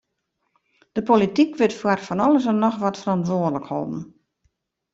De polityk wurdt foar fan alles en noch wat ferantwurdlik holden.